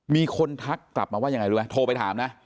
มีคนทักกลับมาว่ายังไงรู้ไหมโทรไปถามนะ